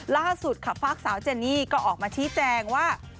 ล่าสุดค่ะฝากสาวเจนี่ก็ออกมาชี้แจงว่า